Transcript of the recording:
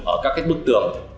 ở các cái bức tường